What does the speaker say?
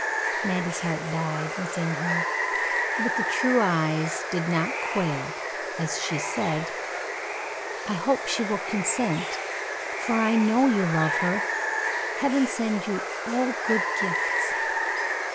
Mattie's heart died within her, but the true eyes did not quail, as she said: "I hope she will consent, for I know you love her. Heaven send you all good gifts."